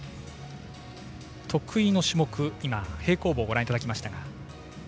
得意の種目、平行棒をご覧いただきました。